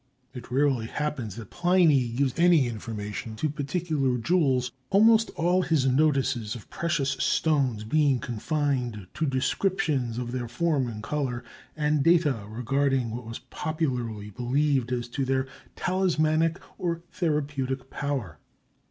It rarely happens that Pliny gives any information as to particular jewels, almost all his notices of precious stones being confined to descriptions of their form and color, and data regarding what was popularly believed as to their talismanic or therapeutic power.